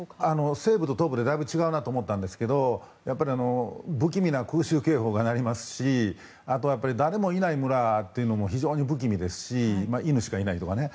西部と東部でだいぶ違うなと思ったんですけどやっぱり不気味な空襲警報が鳴りますし誰もいない村というのも非常に不気味ですし犬しかいないとかね。